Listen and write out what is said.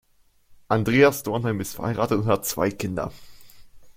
Andreas Dornheim ist verheiratet und hat zwei Kinder.